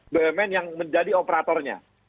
bumn yang menjadi operatornya